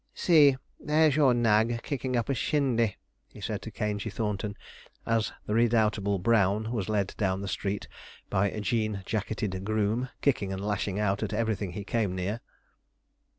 See! there's your nag kicking up a shindy,' he said to Caingey Thornton, as the redoubtable brown was led down the street by a jean jacketed groom, kicking and lashing out at everything he came near.